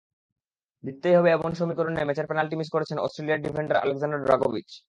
জিততেই হবে এমন সমীকরণের ম্যাচে পেনাল্টি মিস করেছেন অস্ট্রিয়ান ডিফেন্ডার আলেক্সান্ডার ড্রাগোভিচ।